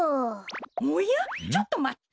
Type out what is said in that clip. おやちょっとまって。